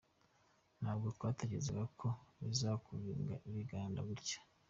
Ntabwo twatekerezaga ko bizakura bingana gutya.